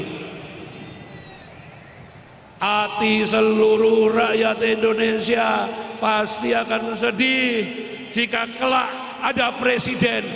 hati seluruh rakyat indonesia pasti akan sedih jika kelak ada presiden